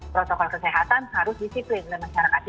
protokol kesehatan harus disiplin